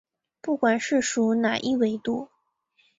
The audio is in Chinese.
不管是属哪一纬度。